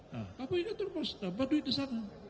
nah kau pergi kantor pos dapat duit di sana